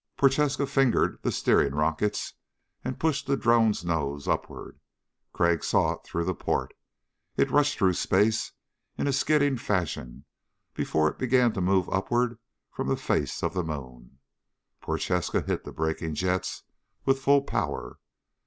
Prochaska fingered the steering rockets and pushed the drone's nose upward. Crag saw it through the port. It rushed through space in a skidding fashion before it began to move upward from the face of the moon. Prochaska hit the braking jets with full power.